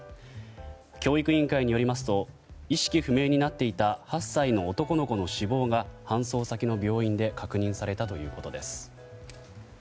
教育委員会によりますと意識不明になっていた８歳の男の子の死亡が搬送先の病院で確認されたということです。